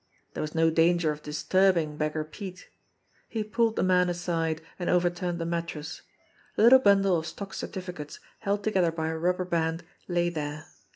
There was no danger of disturbing Beggar Pete ! He pulled the man aside, and over turned the mattress. A little bundle of stock certificates, held together by a rubber band, lay there.